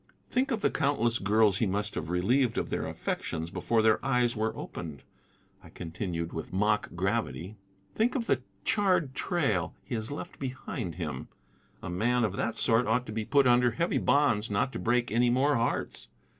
"Think of the countless girls he must have relieved of their affections before their eyes were opened," I continued with mock gravity. "Think of the charred trail he has left behind him. A man of that sort ought to be put under heavy bonds not to break any more hearts.